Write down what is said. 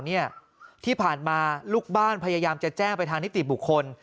ที่ผ่านมาลูกบ้านพยายามจะแจ้งไปทางนิติบุคคล